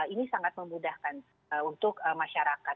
ini sangat memudahkan untuk masyarakat